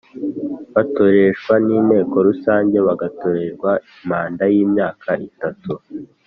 Batoreshwa n’Inteko Rusange bagatorerwa manda y’imyaka itatu